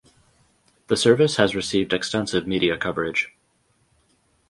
The service has received extensive media coverage.